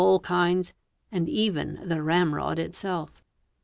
all kinds, and even the ramrod itself®.